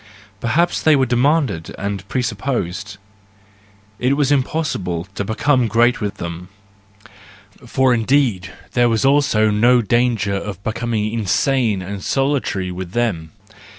Perhaps they were demanded and presupposed; it was impossible to become great with them, for indeed there was also no danger of becoming insane and solitary with them.